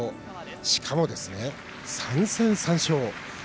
しかも、３戦３勝。